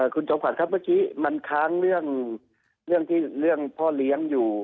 คุณจอมขวัญครับเมื่อกี้มันค้างเรื่องพ่อเลี้ยงอยู่